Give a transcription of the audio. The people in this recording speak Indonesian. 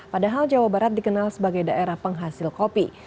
padahal jawa barat dikenal sebagai daerah penghasil kopi